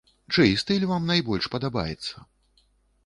Чый стыль вам найбольш падабаецца?